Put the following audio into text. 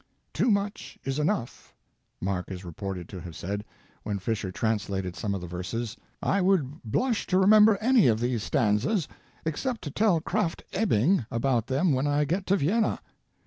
"Too much is enough," Mark is reported to have said, when Fisher translated some of the verses, "I would blush to remember any of these stanzas except to tell Krafft Ebing about them when I get to Vienna."